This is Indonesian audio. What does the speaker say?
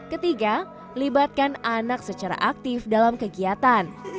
ketiga libatkan anak secara aktif dalam kegiatan